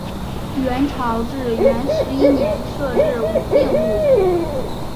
元朝至元十一年设置武定路。